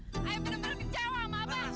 bener bener kecewa sama abang